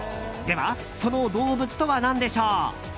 では、その動物とは何でしょう？